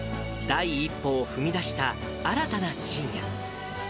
第１歩を踏み出した新たなちんや。